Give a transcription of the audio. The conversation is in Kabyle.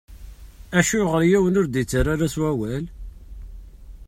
Acuɣeṛ yiwen ur d-ittarra s wawal?